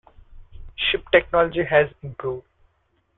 Ship technology has improved.